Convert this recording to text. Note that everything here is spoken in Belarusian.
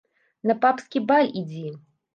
На папскі баль ідзі!